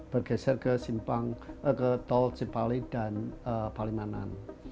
bergeser ke tol cipali dan palimanan